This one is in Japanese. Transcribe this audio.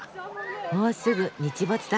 もうすぐ日没だ。